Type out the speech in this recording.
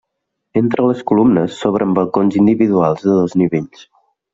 Entre les columnes s'obren balcons individuals als dos nivells.